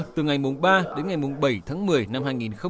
từ ngày ba đến ngày bảy tháng một mươi năm hai nghìn hai mươi hai